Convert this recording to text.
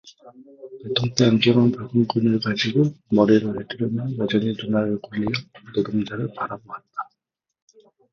백통테 안경은 붉은 끈을 가지고 머리를 휘두르며 여전히 눈알을 굴리어 노동자를 바라보았다.